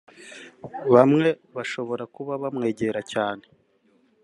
Bamwe bashobora kuba bamwegera cyane